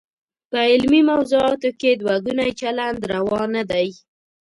په علمي موضوعاتو کې دوه ګونی چلند روا نه دی.